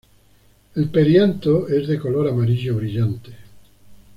El perianto es de color amarillo brillante.